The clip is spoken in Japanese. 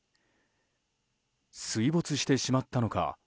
水没してしまったのか